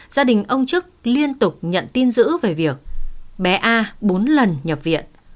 gia đình ông trước liên tục nhận tin dữ về việc bé a bốn lần nhập viện